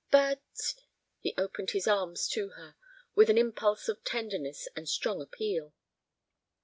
"But—" He opened his arms to her, with an impulse of tenderness and strong appeal.